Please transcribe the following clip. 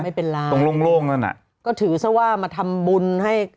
ไม่เป็นไรตรงโล่งนั่นอ่ะก็ถือซะว่ามาทำบุญให้